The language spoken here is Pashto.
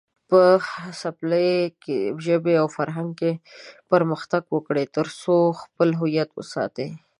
په خپلې ژبې او فرهنګ کې پرمختګ وکړئ، ترڅو خپل هويت وساتئ.